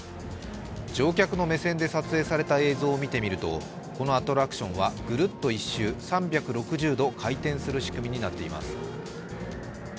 乗客の目線で撮影された映像を見てみるとこのアトラクションはぐるっと１周、３６０度回転する仕組みになっています。